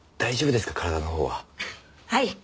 はい。